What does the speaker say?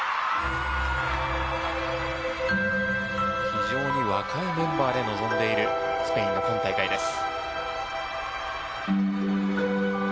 非常に若いメンバーで臨んでいるスペインの今大会です。